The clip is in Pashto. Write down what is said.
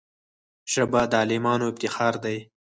ژبه د عالمانو افتخار دی